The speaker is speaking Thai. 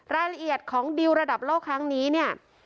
รายละเอียดของดิวระดับโลกครั้งนี้เนี่ย